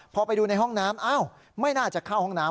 พอไปดูในห้องน้ำอ้าวไม่น่าจะเข้าห้องน้ำ